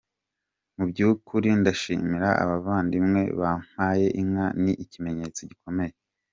Mu by’ukuri ndashimira abavandimwe bampaye inka, ni ikimenyetso gikomeye.